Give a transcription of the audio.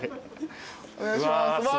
お願いします。